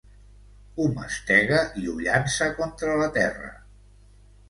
Ho mastega i ho llança contra la terra.